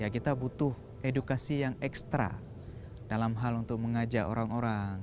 kita butuh edukasi yang ekstra dalam hal untuk mengajak orang orang